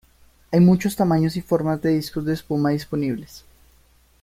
Hay muchos tamaños y formas de discos de espuma disponibles.